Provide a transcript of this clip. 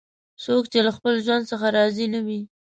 څوک چې له خپل ژوند څخه راضي نه وي